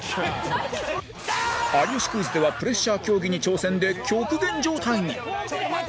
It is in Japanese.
『有吉クイズ』ではプレッシャー競技に挑戦で極限状態に